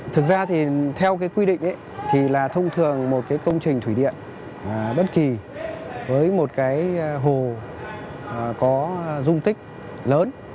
thực ra thì theo cái quy định thì là thông thường một cái công trình thủy điện bất kỳ với một cái hồ có dung tích lớn